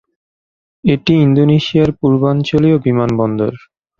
এটি ইন্দোনেশিয়ার পূর্বাঞ্চলীয় বিমানবন্দর।